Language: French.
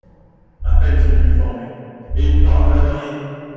À peine s’ils sont formés… et ils parlent de la marier !